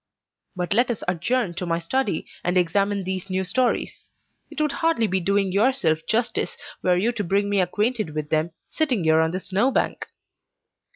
But let us adjourn to my study, and examine these new stories. It would hardly be doing yourself justice, were you to bring me acquainted with them, sitting here on this snow bank!"